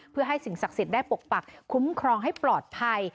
เพื่อให้สิ่งศักดิ์สิทธิ์ได้ปกปักคุ้มครองให้ปลอดภัย